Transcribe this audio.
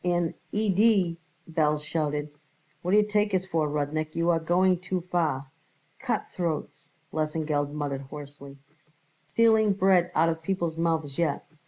"An idee!" Belz shouted. "What d'ye take us for, Rudnik? You are going too far." "Cutthroats!" Lesengeld muttered hoarsely. "Stealing bread out of people's mouths yet.